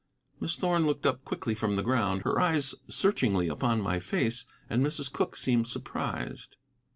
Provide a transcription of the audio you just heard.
Miss Thorn looked up quickly from the ground, her eyes searchingly upon my face. And Mrs. Cooke seemed surprised.